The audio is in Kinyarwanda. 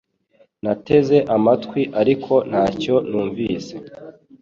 Nateze amatwi ariko ntacyo numvise